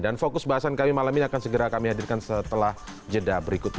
dan fokus bahasan kami malam ini akan segera kami hadirkan setelah jeda berikut ini